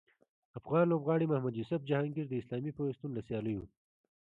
افغان لوبغاړي محمد یوسف جهانګیر د اسلامي پیوستون له سیالیو